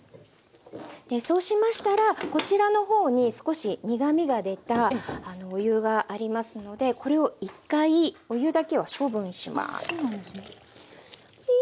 そうしましたらこちらの方に少し苦みが出たお湯がありますのでこれを１回お湯だけは処分します。